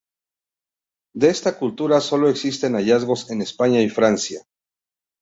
De esta cultura solo existen hallazgos en España y Francia.